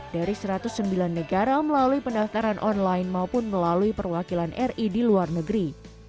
dari satu ratus sembilan negara melalui pendaftaran online maupun melalui perwakilan ri di luar negeri